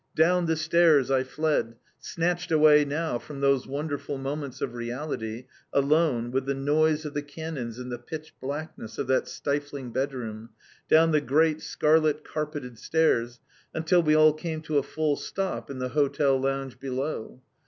Down the stairs I fled, snatched away now from those wonderful moments of reality, alone, with the noise of the cannons in the pitch blackness of that stifling bedroom; down the great scarlet carpeted stairs, until we all came to a full stop in the hotel lounge below.